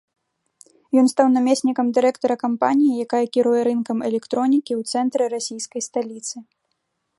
Ён стаў намеснікам дырэктара кампаніі, якая кіруе рынкам электронікі ў цэнтры расійскай сталіцы.